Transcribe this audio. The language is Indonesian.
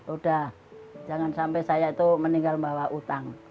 udah jangan sampai saya itu meninggal bawa utang